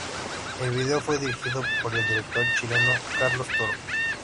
El video fue dirigido por el director chileno Carlos Toro.